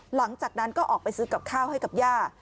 หลังจากนั้นก็ออกไปซื้อกับข้าวให้กับย่า